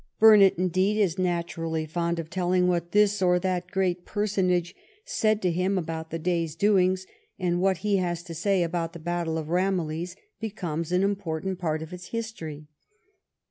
Burnet, indeed, is naturally fond of telling what this or that great personage said to him about the day's doings, and what he has to say about the battle of Ramillies becomes an important part of its history.